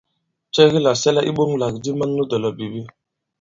Cɛ ki làsɛla iɓoŋlàgàdi man nu dɔ̀lɔ̀bìbi ?